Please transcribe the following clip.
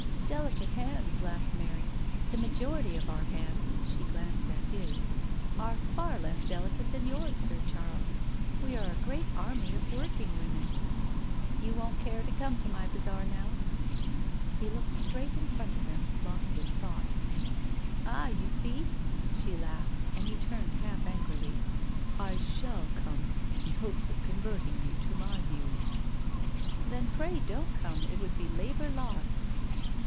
"Delicate hands I" laughed Mary. "The majority of our hands/' she glanced at his, " are far less delicate than yours, Sir Charles. We are a great army of work ing women. ..• You won't care to come to my bazaar now?'* He looked straight in front of him— lost in thought. "Ah, you seel" She laughed, and he turned half angrily. " I shall come in hopes of converting you to my views," " Then pray don't come— it would be labour lost."